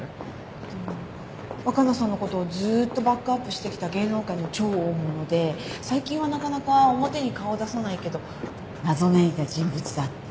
えっと若菜さんのことをずっとバックアップしてきた芸能界の超大物で最近はなかなか表に顔を出さないけど謎めいた人物だって。